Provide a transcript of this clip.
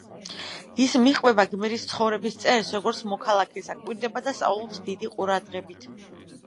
ის მიჰყვება გმირის ცხოვრების წესს, როგორც მოქალაქეს, აკვირდება და სწავლობს დიდი ყურადღებით.